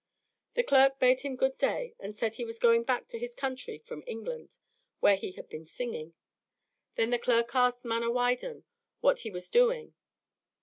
The clerk bade him good day and said he was going back to his country from England, where he had been singing. Then the clerk asked Manawydan what he was doing.